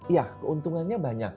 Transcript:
ya keuntungannya banyak